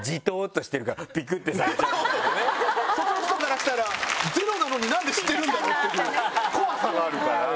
そっちの人からしたらゼロなのになんで知ってるんだろう？っていう怖さがあるから。